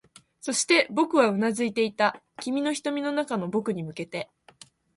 そして、僕はうなずいていた、君の瞳の中の僕に向けて